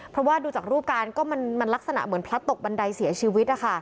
เพราะว่าดูจากรูปการณ์ก็มันลักษณะเหมือนพลัดตกบันไดเสียชีวิต